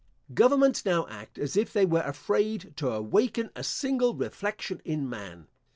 Governments now act as if they were afraid to awaken a single reflection in man.